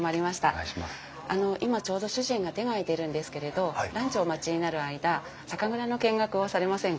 あの今ちょうど主人が手が空いているんですけれどランチをお待ちになる間酒蔵の見学をされませんか？